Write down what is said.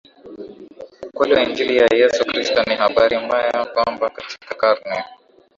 ukweli wa Injili ya Yesu Kristo Ni habari mbaya kwamba katika karne